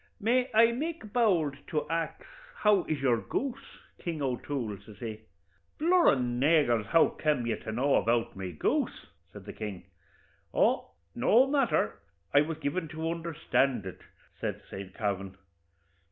May I make bowld to ax how is your goose, King O'Toole?' says he. 'Blur an agers, how kem ye to know about my goose?' says the king. 'Oh, no matther; I was given to understand it,' says Saint Kavin.